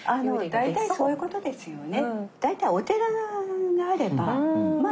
大体そういう事ですよね。